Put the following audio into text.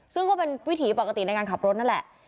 ซึ่งก็เป็นวิถีปกติในการขับรถนั่นแหละ